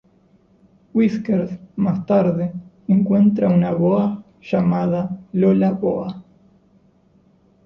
Whiskers, más tarde, encuentra una Boa llamada Lola Boa.